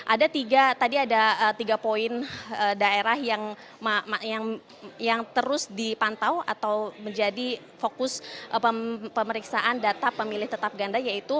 ada tiga tadi ada tiga poin daerah yang terus dipantau atau menjadi fokus pemeriksaan data pemilih tetap ganda yaitu